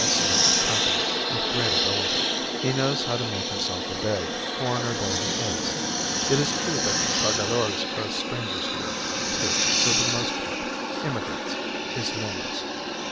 S.N. Company with great ability. He knows how to make himself obeyed, foreigner though he is. It is true that the Cargadores are strangers here, too, for the most part immigrants, Islenos."